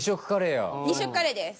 ２色カレーです。